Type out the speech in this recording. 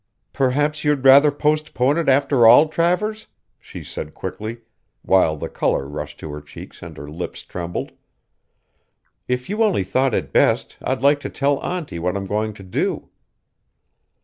"Perhaps you'd rather postpone it after all, Travers?" she said quickly, while the color rushed to her cheeks and her lips trembled. "If you only thought it best I'd like to tell auntie what I'm going to do."